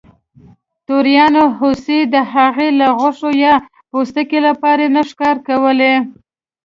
توریانو هوسۍ د هغې له غوښې یا پوستکي لپاره نه ښکار کولې.